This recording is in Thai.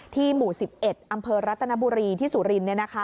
หมู่๑๑อำเภอรัตนบุรีที่สุรินทร์